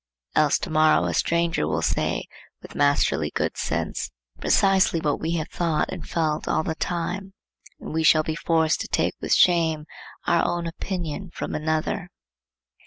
Else to morrow a stranger will say with masterly good sense precisely what we have thought and felt all the time, and we shall be forced to take with shame our own opinion from another.